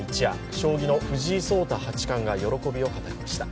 将棋の藤井聡太八冠が喜びを語りました。